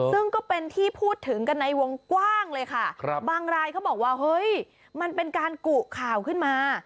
ซึ่งก็เป็นที่พูดถึงกันในวงกว้างเลยค่ะบางรายเขาบอกว่าเฮ้ยมันเป็นการกุข่าวขึ้นมา